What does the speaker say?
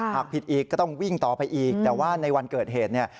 หากผิดอีกก็ต้องวิ่งต่อไปอีกแต่ว่าในวันเกิดเหตุเนี่ย